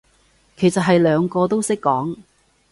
其實係兩個都識講